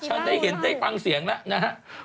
ฉันได้เห็นได้ฟังเสียงแล้วนะครับ